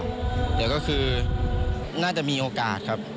แต่ก็คือน่าจะมีโอกาสครับ